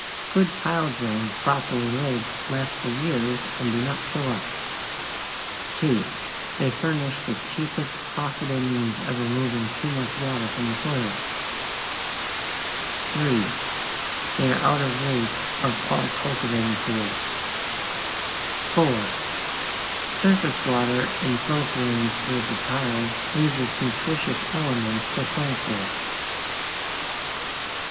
Good tile drains properly laid last for years and do not fill up. 2. They furnish the cheapest possible means of removing too much water from the soil. 3. They are out of reach of all cultivating tools. 4. Surface water in filtering through the tiles leaves its nutritious elements for plant growth.